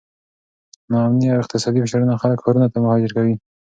ناامني او اقتصادي فشارونه خلک ښارونو ته مهاجر کوي.